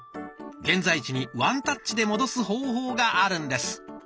現在地にワンタッチで戻す方法があるんです。